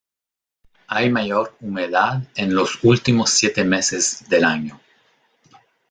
Hay mayor humedad en los últimos siete meses del año.